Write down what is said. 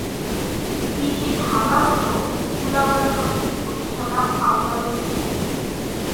তিনি ঢাকাস্থ কুলাউড়া সমিতির প্রতিষ্ঠাতা আহ্বায়ক, ছিলেন।